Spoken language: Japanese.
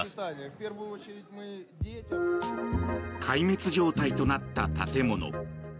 壊滅状態となった建物。